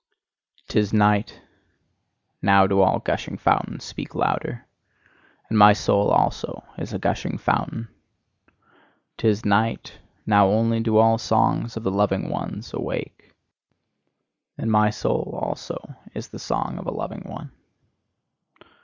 'Tis night: now do all gushing fountains speak louder. And my soul also is a gushing fountain. 'Tis night: now only do all songs of the loving ones awake. And my soul also is the song of a loving one.